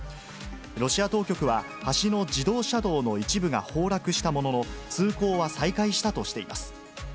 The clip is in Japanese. ロシア当局は、橋の自動車道の一部が崩落したものの、通行は再開したとしています。